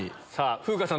風花さん